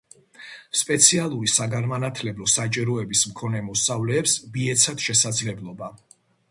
სპეციალური საგანმანათლებლო საჭიროების მქონე მოსწავლეებს მიეცათ შესაძლებლობა